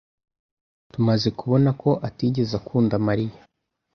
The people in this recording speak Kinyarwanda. Tumaze kubona ko atigeze akunda Mariya.